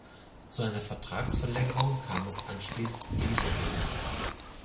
Zu einer Vertragsverlängerung kam es anschließend ebenso wenig.